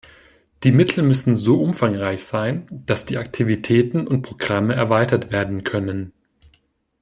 Die Mittel müssen so umfangreich sein, dass die Aktivitäten und Programme erweitert werden können.